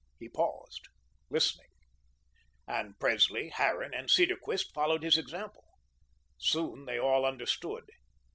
He paused, listening, and Presley, Harran and Cedarquist followed his example. Soon they all understood.